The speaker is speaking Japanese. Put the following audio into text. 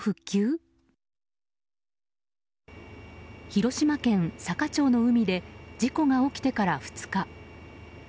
広島県坂町の海で事故が起きてから２日。